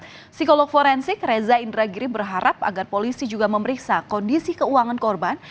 psikolog forensik reza indragiri berharap agar polisi juga memeriksa kondisi keuangan korban